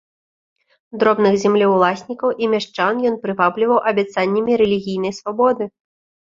Дробных землеўласнікаў і мяшчан ён прывабліваў абяцаннямі рэлігійнай свабоды.